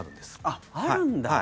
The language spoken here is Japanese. あっ、あるんだ！